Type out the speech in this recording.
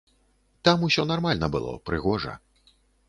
Там усё нармальна было, прыгожа.